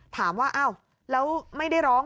ถามว่าอ้าวแล้วไม่ได้ร้อง